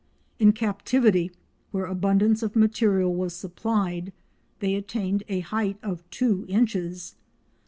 In captivity, when abundance of material was supplied, they attained a height of two inches.